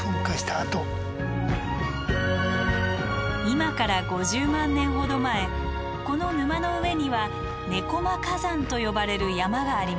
今から５０万年ほど前この沼の上には猫魔火山と呼ばれる山がありました。